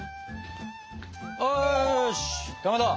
よしかまど。